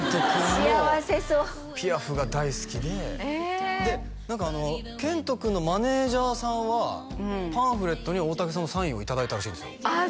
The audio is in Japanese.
幸せそう遣都君も「ピアフ」が大好きでえで何か遣都君のマネージャーさんはパンフレットに大竹さんのサインをいただいたらしいんですよああ